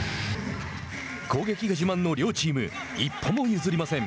攻撃が自慢の両チーム一歩も譲りません。